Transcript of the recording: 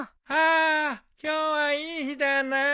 あ今日はいい日だな。